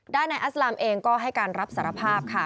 นายอัสลามเองก็ให้การรับสารภาพค่ะ